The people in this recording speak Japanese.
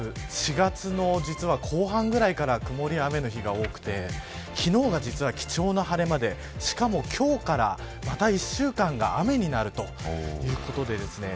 ４月の後半ぐらいから曇りや雨の日が多くて昨日が実は貴重な晴れ間でしかも、今日からまた１週間が雨になるということでですね